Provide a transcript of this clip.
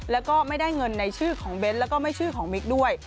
แล้วก็ไม่ได้เงินในชื่อของเบ้นแล้วก็ไม่ชื่อของมิกด้วย